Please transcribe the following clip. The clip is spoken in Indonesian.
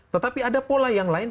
tetapi ada pola yang lain